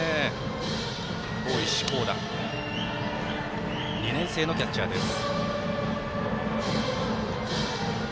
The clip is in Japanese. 大石広那２年生のキャッチャーです。